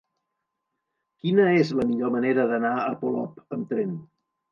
Quina és la millor manera d'anar a Polop amb tren?